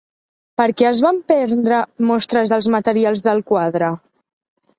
Per què es van prendre mostres dels materials del quadre?